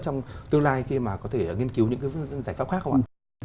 trong tương lai khi mà có thể nghiên cứu những cái giải pháp khác không ạ